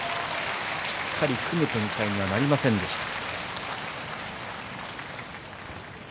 しっかり組む展開にはなりませんでした。